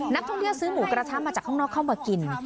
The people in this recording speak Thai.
นักท่องเที่ยวซื้อหมูกระทะมาจากข้างนอกเข้ามากิน